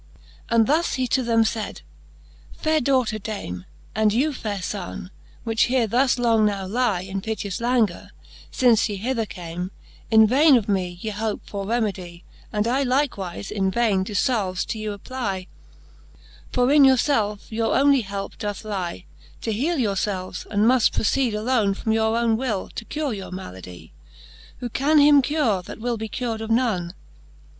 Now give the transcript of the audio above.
And thus he to them fayd ; Faire daughter Dame, And you faire fonne, which here thus long now lie in piteous languor, fince ye hither came, In vaine of me ye hope for remedie,. And I likewife in vaine doe falves to you applie;. VII. For in your felfe your ondy helpe doth lie. To heale your felves, and muft proceed alone From your owne will, to cure your maladie. Who can him cure, that will be cur'd of none